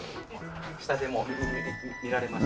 下でも見られました？